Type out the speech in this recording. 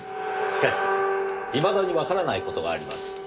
しかしいまだにわからない事があります。